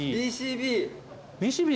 ＢＣＢ。